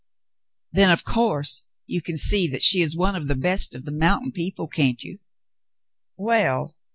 "Then, of course, you can see that she is one of the best of the mountain people, can't you '^ Well